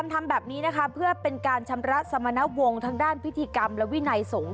ทำแบบนี้นะคะเพื่อเป็นการชำระสมณวงทางด้านพิธีกรรมและวินัยสงฆ